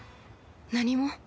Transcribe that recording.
何も。